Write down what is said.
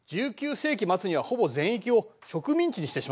世紀末にはほぼ全域を植民地にしてしまったんだ。